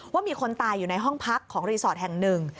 ว่ามีคนตายอยู่ในห้องพักของรีสอร์ทแห่งหนึ่ง